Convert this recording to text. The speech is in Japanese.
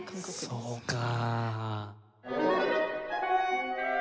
そうか。